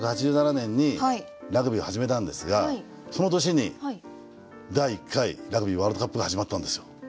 １９８７年にラグビーを始めたんですがその年に第１回ラグビーワールドカップが始まったんですよ。